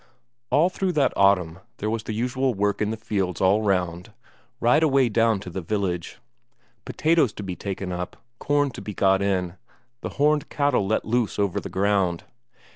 All through that autumn there was the usual work in the fields all round, right away down to the village: potatoes to be taken up, corn to be got in, the horned cattle let loose over the ground.